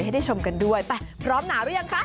ให้ได้ชมกันด้วยไปพร้อมหนาวหรือยังคะ